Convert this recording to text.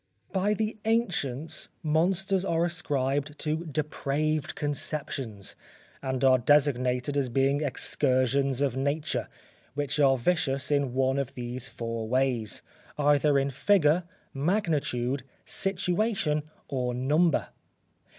_ By the ancients, monsters are ascribed to depraved conceptions, and are designated as being excursions of nature, which are vicious in one of these four ways: either in figure, magnitude, situation, or number.